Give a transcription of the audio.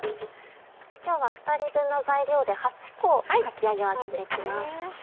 今日は２人分の材料で８個かき揚げを揚げていきます。